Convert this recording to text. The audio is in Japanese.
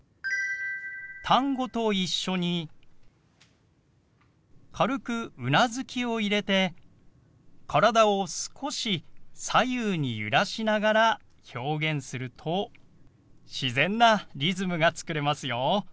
単語と一緒に軽くうなずきを入れて体を少し左右に揺らしながら表現すると自然なリズムが作れますよ。